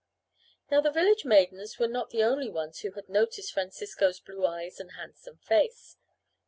Now the village maidens were not the only ones who had noticed Francisco's blue eyes and handsome face.